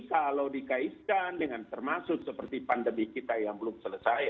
dan itu adalah keputusan yang harus kita lakukan dengan termasuk seperti pandemi kita yang belum selesai